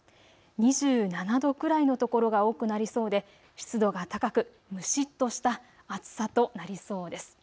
２７度くらいの所が多くなりそうで、湿度が高くむしっとした暑さとなりそうです。